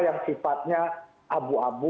yang sifatnya abu abu